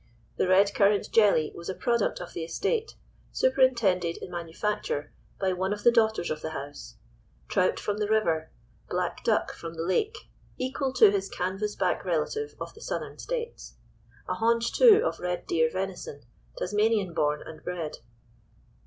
The red currant jelly was a product of the estate, superintended in manufacture by one of the daughters of the house; trout from the river, black duck from the lake, equal to his canvas back relative of the Southern States; a haunch, too, of red deer venison, Tasmanian born and bred.